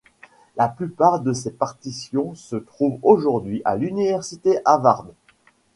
La plupart de ses partitions se trouvent aujourd'hui à l'Université Harvard.